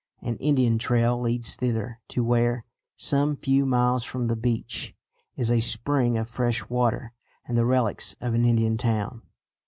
An Indian trail leads thither to where, some few miles from the beach, is a spring of fresh water and the relics of an Indian town.